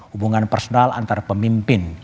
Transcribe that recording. hubungan personal antar pemimpin